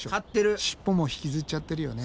尻尾も引きずっちゃってるよね。